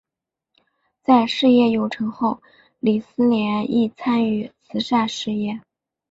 在事业有成后李思廉亦参与慈善事业。